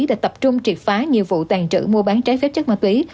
đã tập trung triệt phá nhiều vụ tàn trữ mua bán trái phép chất ma túy